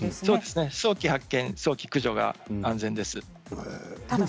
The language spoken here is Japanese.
早期発見、早期駆除が安全です。